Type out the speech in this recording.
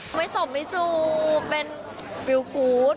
มันไม่ตบไม่จูบเฟิล์คูต